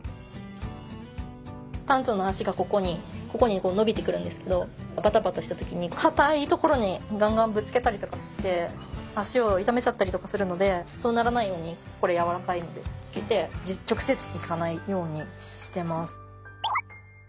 タンチョウの脚がここにこう伸びてくるんですけどバタバタした時に硬いところにガンガンぶつけたりとかして脚を痛めちゃったりとかするのでそうならないようにこれやわらかいのでつけて直接いかないようにしてます。